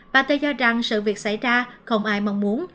bà tôi cho rằng sự việc xảy ra không ai mong muốn